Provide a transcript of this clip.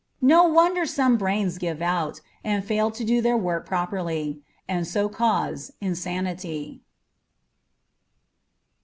No wonder some brains give out, and fail to do their work properly, and so cause insanity.